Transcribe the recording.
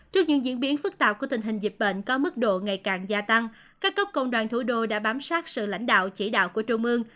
trước những diễn biến phức tạp của tình hình dịch bệnh có mức độ ngày càng gia tăng các cấp công đoàn thủ đô đã bám sát sự lãnh đạo chỉ đạo của trung ương